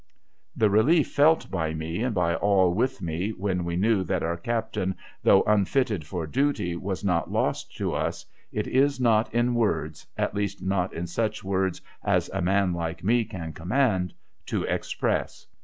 ' The relief felt by me, and by all with me, when we knew that our captain, though unfitted for duty, was not lost to us, it is not in words at least, not in such words as a man like me can command — to express.